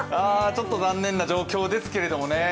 ちょっと残念な状況ですけどね。